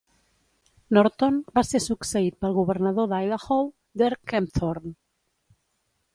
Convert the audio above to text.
Norton va ser succeït pel governador d'Idaho, Dirk Kempthorne.